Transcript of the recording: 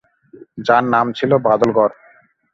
যার নাম ছিল বাদলগড়।